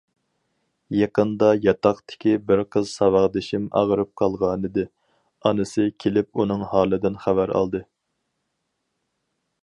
يېقىندا ياتاقتىكى بىر قىز ساۋاقدىشىم ئاغرىپ قالغانىدى، ئانىسى كېلىپ ئۇنىڭ ھالىدىن خەۋەر ئالدى.